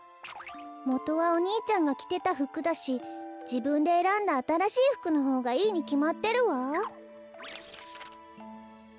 もとはお兄ちゃんがきてたふくだしじぶんでえらんだあたらしいふくのほうがいいにきまってるわ。